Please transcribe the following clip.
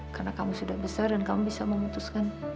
karena kamu sudah besar dan kamu bisa memutuskan